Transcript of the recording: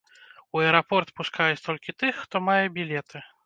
У аэрапорт пускаюць толькі тых, хто мае білеты.